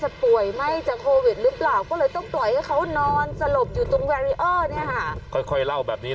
ป่วยไหม้จากโควิดหรือเปล่าก็เลยต้องปล่อยให้เขานอนสลบอยู่ตรงแบรีเออร์เนี่ยค่ะค่อยค่อยเล่าแบบนี้